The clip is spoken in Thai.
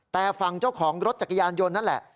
แต่ฝั่งเจ้าของรถจักรยานยนต์นั่นแหละ